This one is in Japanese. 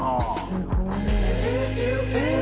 すごいえ！